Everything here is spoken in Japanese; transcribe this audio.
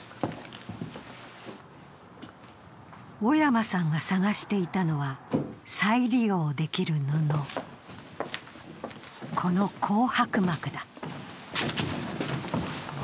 小山さんが探していたのは、再利用できる布、この紅白幕だ。